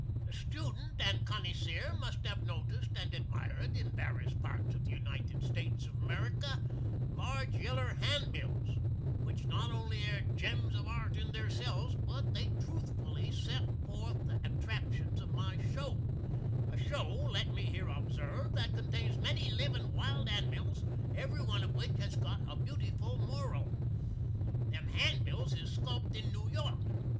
The stoodent and connyseer must have noticed and admired in varis parts of the United States of America large yeller hanbills, which not only air gems of art in theirselves, but they troothfully sit forth the attractions of my show a show, let me here obsarve, that contains many livin' wild animils, every one of which has got a Beautiful Moral. Them hanbills is sculpt in New York.